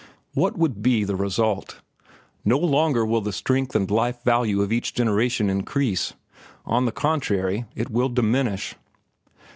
What will be the result? No longer will the strength and life value of each generation increase. On the contrary, it will diminish.